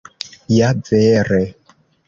Ja vere!